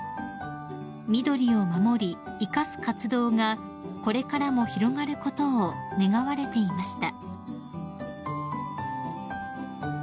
［緑を守り生かす活動がこれからも広がることを願われていました］